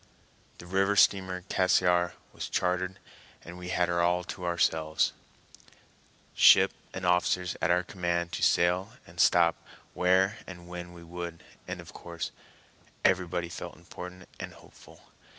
The river steamer Cassiar was chartered, and we had her all to ourselves, ship and officers at our command to sail and stop where and when we would, and of course everybody felt important and hopeful.